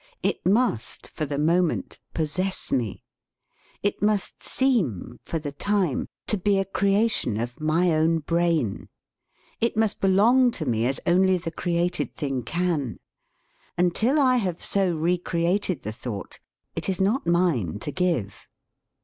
It must, for the moment, possess me. It must seem, for the time, to be a creation of my own brain. It must belong to me as only the created thing can. Until I have so recreated the 1 thought, it is not mine to give.